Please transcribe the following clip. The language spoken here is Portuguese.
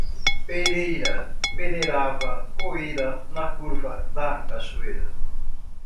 Pereira peneirava poeira na curva da cachoeira.